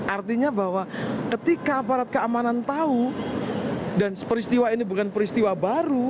artinya bahwa ketika aparat keamanan tahu dan peristiwa ini bukan peristiwa baru